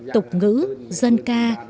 tục ngữ dân ca